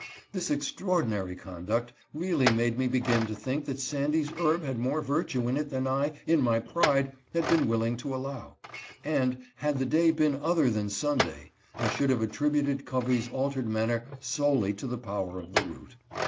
This extraordi nary conduct really made me begin to think that Sandy's herb had more virtue in ' it than I, in my pride, had been willing to allow, and, had the day been other than Sunday, I should have attributed Covey's altered manner solely to the power of the root.